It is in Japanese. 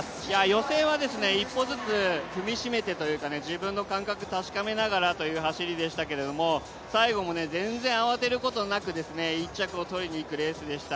予選は１歩ずつ踏みしめてというか自分の感覚を確かめながらという走りでしたけど最後も全然慌てることなく１着を取りにいくレースでした。